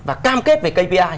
và cam kết về kpi